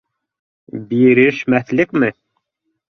Бирешмәҫлекме?